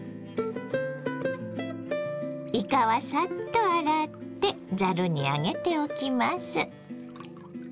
いかはサッと洗ってざるに上げておきます。